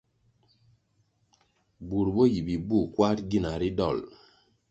Bur bo yi bibuh kwarʼ gina ri dolʼ.